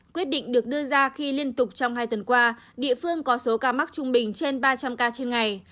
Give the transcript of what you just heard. quyết định được đưa ra khi liên tục trong hai tuần qua địa phương có số ca mắc trung bình trên ba trăm linh ca trên ngày